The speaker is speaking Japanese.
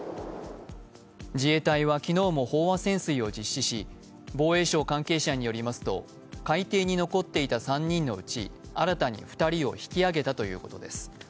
自衛隊は昨日も飽和潜水を実施し、防衛省関係者によりますと、海底に残っていた３人のうち新たに２人を引き上げたということです。